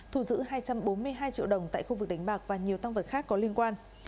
thu giữ hai trăm bốn mươi hai triệu đồng tại khu vực đánh bạc và nhiều tăng vật khác có liên quan